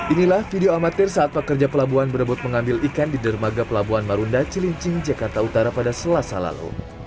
inilah video amatir saat pekerja pelabuhan berebut mengambil ikan di dermaga pelabuhan marunda cilincing jakarta utara pada selasa lalu